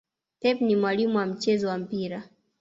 pep ni mwalimu wa mchezo wa mpira